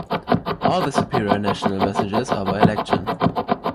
All the superior national messages are by election.